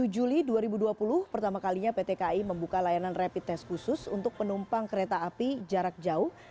dua puluh juli dua ribu dua puluh pertama kalinya pt kai membuka layanan rapid test khusus untuk penumpang kereta api jarak jauh